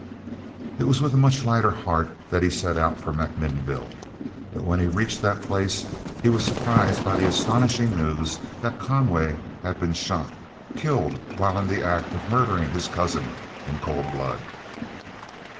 It was with a much lighter heart that he set out for MacMinnville. But when he reached that place he was surprised by the astonishing news that Conway had been shot—killed while in the act of murdering his cousin in cold blood.